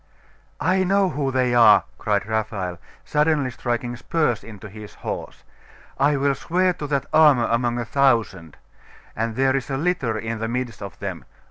'I know who they are!' cried Raphael, suddenly striking spurs into his horse. 'I will swear to that armour among a thousand. And there is a litter in the midst of them.